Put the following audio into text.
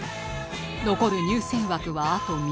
残る入選枠はあと３つ